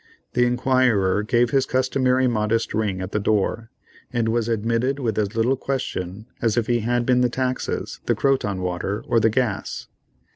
The inquirer gave his customary modest ring at the door, and was admitted with as little question as if he had been the taxes, the Croton water, or the gas.